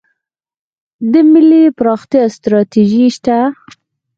د ملي پراختیا ستراتیژي شته؟